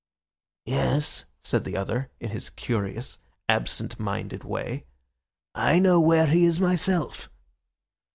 "Yes," said the other in his curious, absent minded way, "I know where he is myself."